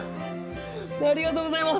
ありがとうございます。